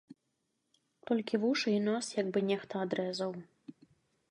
Толькі вушы і нос як бы нехта адрэзаў.